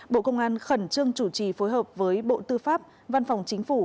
bộ công an khẩn trương chủ trì phối hợp với bộ tư pháp văn phòng chính phủ